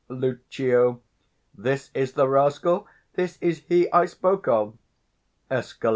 Lucio. This is the rascal; this is he I spoke of. _Escal.